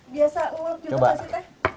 biasa ngulek juga sih teh